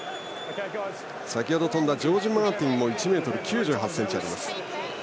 先程、跳んだジョージ・マーティンも１ｍ９８ｃｍあります。